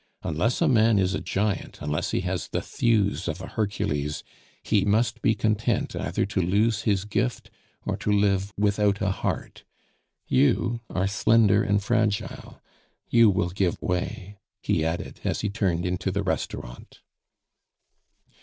Unless a man is a giant, unless he has the thews of a Hercules, he must be content either to lose his gift or to live without a heart. You are slender and fragile, you will give way," he added, as he turned into the restaurant.